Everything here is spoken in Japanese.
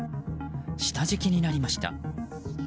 下敷きになりました。